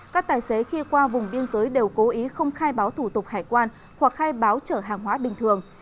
các tài xế khi qua vùng biên giới đều cố ý không khai báo thủ tục hải quan hoặc khai báo chở hàng hóa bình thường